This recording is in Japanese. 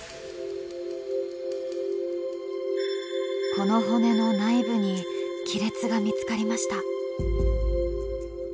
この骨の内部に亀裂が見つかりました。